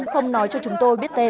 không nói cho chúng tôi biết tên